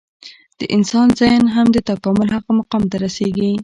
د انسان ذهن هم د تکامل هغه مقام ته رسېږي.